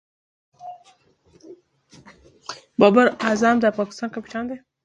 بابر اعظم د پاکستان کپتان دئ.